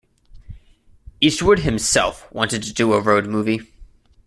Eastwood himself wanted to do a road movie.